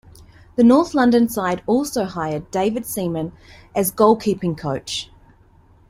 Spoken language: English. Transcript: The north London side also hired David Seaman as goalkeeping coach.